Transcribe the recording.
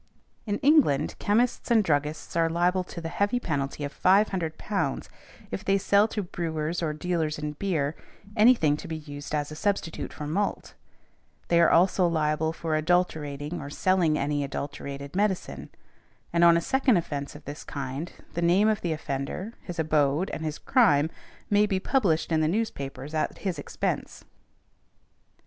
In England chemists and druggists are liable to the heavy penalty of £500 if they sell to brewers or dealers in beer anything to be used as a substitute for malt; they are also liable for adulterating, or selling any adulterated, medicine; and on a second offence of this kind, the name of the offender, his abode, and his crime may be published in the newspapers at his expense .